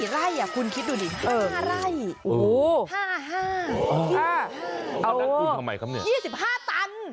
วันนั้นคุณทำไมครับเนี้ย๒๕ตัน